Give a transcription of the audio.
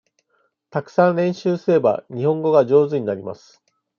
たくさん練習すれば、日本語が上手になります。